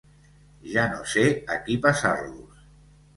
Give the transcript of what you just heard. Ja no sé a qui passar-los.